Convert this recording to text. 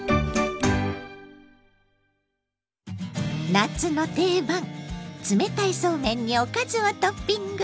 夏の定番冷たいそうめんにおかずをトッピング！